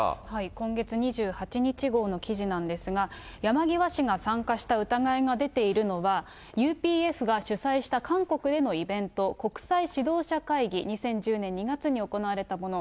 今月２８日号の記事なんですが、山際氏が参加した疑いが出ているのは、ＵＰＦが主催した韓国でのイベント、国際指導者会議、２０１０年２月に行われたもの。